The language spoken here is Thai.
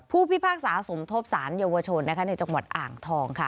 พิพากษาสมทบสารเยาวชนในจังหวัดอ่างทองค่ะ